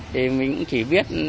thì mình cũng chỉ biết